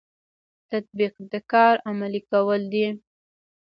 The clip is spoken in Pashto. تطبیق د کار عملي کول دي